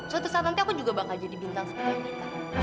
suatu saat nanti aku juga bakal jadi bintang seperti kita